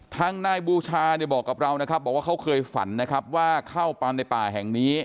ทางนายบูชาเนี่ยบอกกับเรานะครับบอกว่าเขาเคยฝันนะครับว่าเข้าปันในป่าแห่งนี้